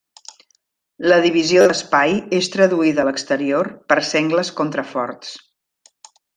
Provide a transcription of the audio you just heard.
La divisió de l'espai és traduïda a l'exterior per sengles contraforts.